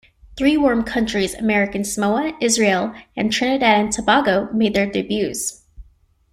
Three "warm countries", American Samoa, Israel and Trinidad and Tobago, made their debuts.